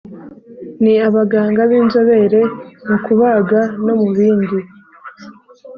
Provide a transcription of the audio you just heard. ni abaganga binzobere mu kubaga no mu bindi